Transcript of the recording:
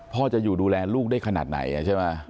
พ่อจะอยู่ดูแลลูกได้ขนาดไหนใช่ไหม